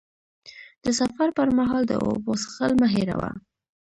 د سفر پر مهال د اوبو څښل مه هېروه.